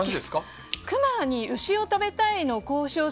クマに牛を食べたいの交渉を。